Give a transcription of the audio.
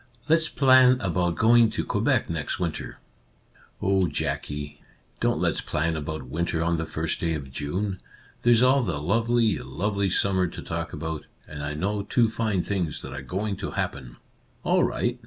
" Let's plan about going to Quebec next winter." " Oh, Jackie ! Don't let's plan about winter on the first day of June ! There's all the lovely, lovely summer to talk about, — and I know two fine things that are going to happen." " All right